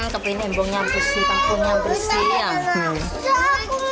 kampung yang bersih kampung yang bersih